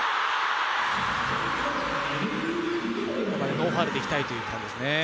ノーファウルでいきたいところですね。